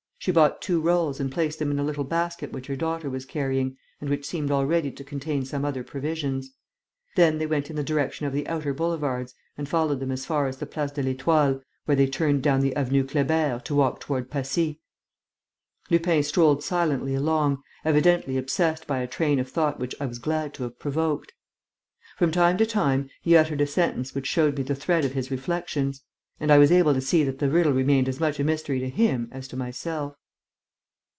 She bought two rolls and placed them in a little basket which her daughter was carrying and which seemed already to contain some other provisions. Then they went in the direction of the outer boulevards and followed them as far as the Place de l'Étoile, where they turned down the Avenue Kléber to walk toward Passy. Lupin strolled silently along, evidently obsessed by a train of thought which I was glad to have provoked. From time to time, he uttered a sentence which showed me the thread of his reflections; and I was able to see that the riddle remained as much a mystery to him as to myself.